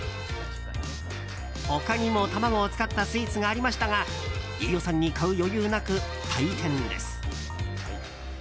他にも卵を使ったスイーツがありましたが飯尾さんに買う余裕なく退店です。